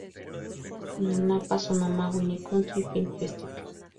Napa Sonoma Wine Country Film Festival